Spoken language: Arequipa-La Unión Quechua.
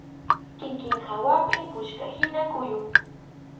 Kikin hawapi puchkahina kuyuy.